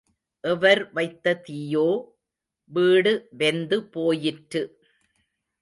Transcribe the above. எவர் வைத்த தீயோ, வீடு வெந்து போயிற்று.